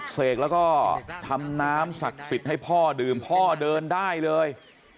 เสกแล้วก็ทำน้ำศักดิ์สิทธิ์ให้พ่อดื่มพ่อเดินได้เลย